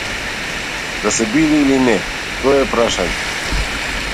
Да се биде или не, тоа е прашање.